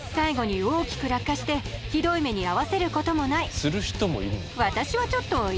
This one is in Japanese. する人もいるの？